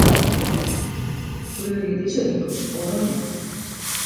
Kleurje dizze rigel oranje.